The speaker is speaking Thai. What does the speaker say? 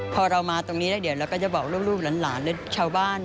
พอเรามาตรงนี้แล้วเดี๋ยวเราก็จะบอกลูกหลานหรือชาวบ้าน